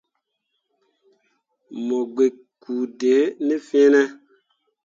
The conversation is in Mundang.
Mo gikki kpu dee ne fene.